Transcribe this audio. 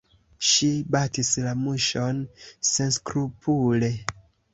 Ŝi batis la muŝon senskrupule!